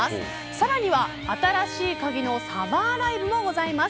さらには新しいカギのサマーライブもございます。